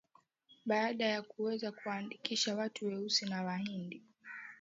Baada ya kuweza kuwaandikisha watu weusi na wahindi